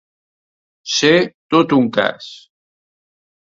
Ser tot un cas.